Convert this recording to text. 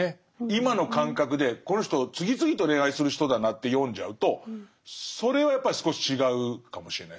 今の感覚でこの人次々と恋愛する人だなって読んじゃうとそれはやっぱり少し違うかもしれないですね。